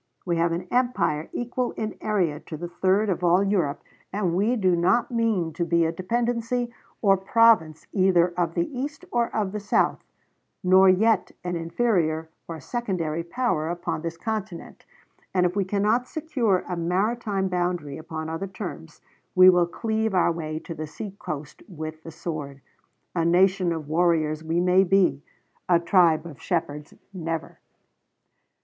We have an empire equal in area to the third of all Europe, and we do not mean to be a dependency or province either of the East or of the South; nor yet an inferior or secondary power upon this continent; and if we cannot secure a maritime boundary upon other terms, we will cleave our way to the seacoast with the sword. A nation of warriors we may be; a tribe of shepherds never.